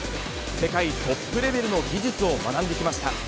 世界トップレベルの技術を学んできました。